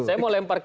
saya mau lempar ke